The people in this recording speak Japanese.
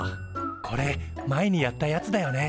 これ前にやったやつだよね。